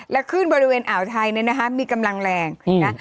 และขึ้นบริเวณอ่าวไทยนะครับมีกำลังแรงนะ